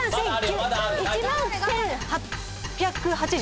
１万１，８８０？